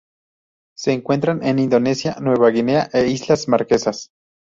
Se encuentran en Indonesia, Nueva Guinea e Islas Marquesas.